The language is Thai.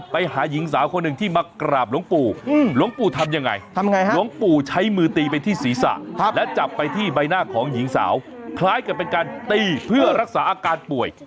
ไปหาหญิงสาวคนหนึ่งที่มากราบหลวงปู่หลวงปู่ทำยังไงทำไงฮะหลวงปู่ใช้มือตีไปที่ศีรษะและจับไปที่ใบหน้าของหญิงสาวคล้ายกับเป็นการตีเพื่อรักษาอาการป่วย